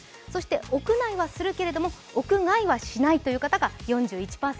屋内はするけれども、屋外はしないという方が４１％。